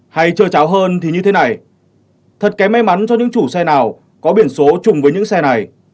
hay trời cháo hơn thì như thế này thật kém may mắn cho những chủ xe nào có biển số chùng với những xe này